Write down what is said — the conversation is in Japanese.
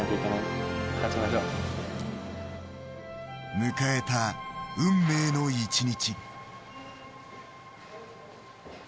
迎えた運命の１日。